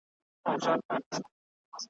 وطن بېغمه له محتسبه `